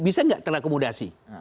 bisa nggak terakomodasi